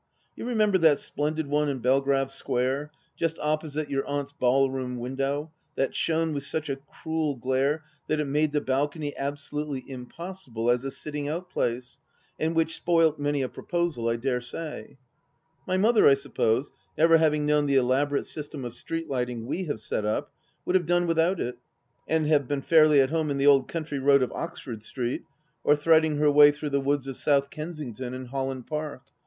You remember that splendid one in Belgrave Square, just opposite your aunt's ballroom window, that shone with such a cruel glare that it made the balcony absolutely impossible as a sitting out place, and which spoilt many a proposal, I dare say ? My mother, I suppose, never having known the elaborate system of street lighting we have set up, would have done without it, and have been fairly at home in the old country road of Oxford Street, or threading her way through the woods of South Kensington and Holland Park.